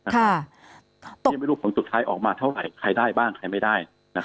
ยังไม่รู้ผลสุดท้ายออกมาเท่าไหร่ใครได้บ้างใครไม่ได้